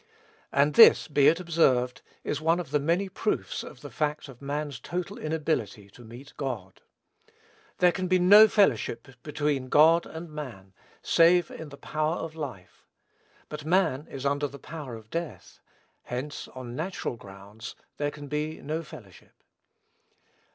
And this, be it observed, is one of the many proofs of the fact of man's total inability to meet God. There can be no fellowship between God and man, save in the power of life; but man is under the power of death; hence, on natural grounds, there can be no fellowship.